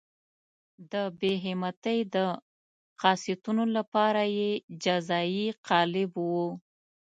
د بې همتۍ د خاصیتونو لپاره یې جزایي قالب وو.